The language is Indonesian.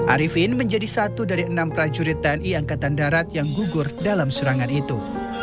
arifin menjadi satu dari enam prajurit tni angkatan darat yang gugur dalam serangan itu